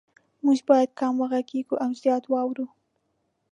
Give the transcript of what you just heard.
مونږ باید کم وغږیږو او زیات واورو